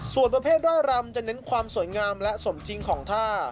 ส่วนประเภทร่ายรำจะเน้นความสวยงามและสมจริงของท่า